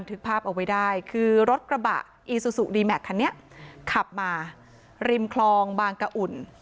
เอาไว้ได้คือรถกระบะคันนี้ขับมาริมคลองบางกระอุ่น